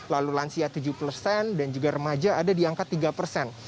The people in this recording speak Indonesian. lalu lansia tujuh puluh persen dan juga remaja ada di angka tiga persen